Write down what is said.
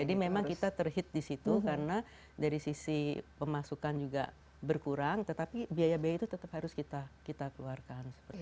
jadi memang kita terhit di situ karena dari sisi pemasukan juga berkurang tetapi biaya biaya itu tetap harus kita keluarkan